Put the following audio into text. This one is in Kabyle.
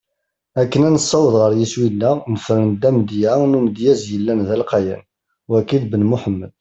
Akken ad nessaweḍ ɣer yiswi-neɣ, nefren-d amedya n umedyaz yellan d alqayan: Wagi d Ben Muḥemmed.